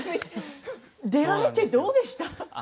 出られてどうでしたか？